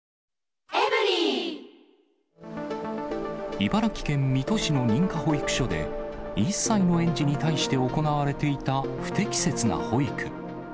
茨城県水戸市の認可保育所で１歳の園児に対して行われていた不適切な保育。